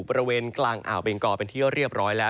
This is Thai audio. บริเวณกลางอ่าวเบงกอเป็นที่เรียบร้อยแล้ว